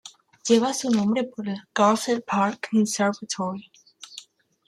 Lleva su nombre por el Garfield Park Conservatory.